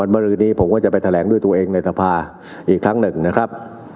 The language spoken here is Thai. เมื่อรือนี้ผมก็จะไปแถลงด้วยตัวเองในสภาอีกครั้งหนึ่งนะครับ